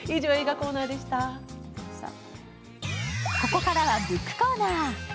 ここからはブックコーナー。